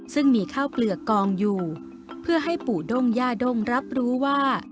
ซึ่งมีข้าวเปลือกกองอยู่เพื่อให้ปู่ด้งย่าด้งรับรู้ว่า